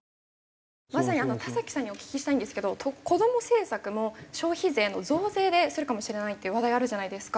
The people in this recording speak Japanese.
まさに田さんにお聞きしたいんですけどこども政策も消費税の増税でするかもしれないっていう話題あるじゃないですか。